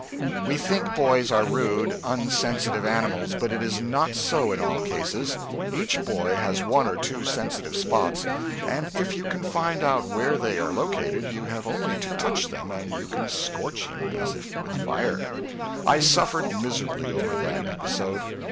We think boys are rude, unsensitive animals, but it is not so in all cases. Each boy has one or two sensitive spots, and if you can find out where they are located you have only to touch them and you can scorch him as with fire. I suffered miserably over that episode.